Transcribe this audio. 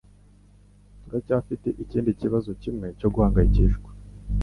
Turacyafite ikindi kibazo kimwe cyo guhangayikishwa